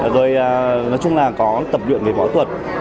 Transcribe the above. rồi nói chung là có tập luyện về bỏ tuật